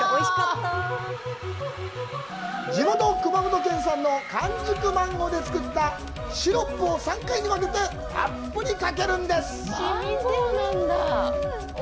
地元・熊本県産の完熟マンゴーで作ったシロップを３回に分けてたっぷりかけます。